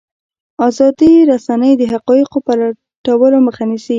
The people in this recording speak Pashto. ازادې رسنۍ د حقایقو پټولو مخه نیسي.